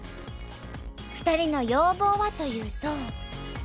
２人の要望はというと。